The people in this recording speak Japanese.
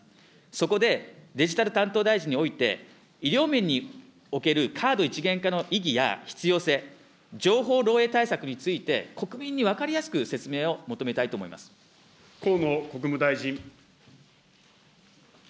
そこでデジタル担当大臣において、医療面におけるカード一元化の意義や必要性、情報漏えい対策について、国民に分かりやすく説明を河野国務大臣。